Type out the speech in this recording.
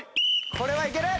これはいける！